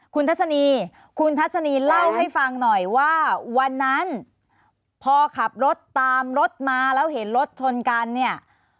คุณทัศนีคุณทัศนีเล่าให้ฟังหน่อยว่าวันนั้นพอขับรถตามรถมาแล้วเห็นรถชนกันเนี่ย